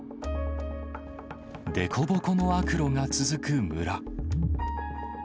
凸凹の悪路が続く村。